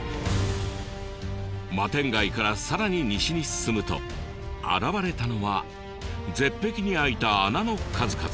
摩天崖からさらに西に進むと現れたのは絶壁に開いた穴の数々。